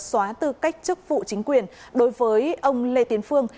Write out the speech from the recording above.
xóa tư cách chức vụ chính quyền đối với ông lê tiến phương